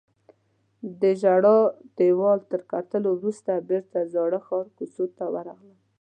د ژړا دیوال تر کتلو وروسته بیرته د زاړه ښار کوڅو ته ورغلم.